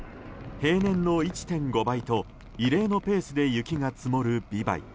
平年の１．５倍と異例のペースで雪が積もる美唄。